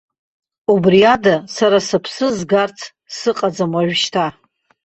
Убри ада сара сыԥсы згарц сыҟаӡам уажәшьҭа!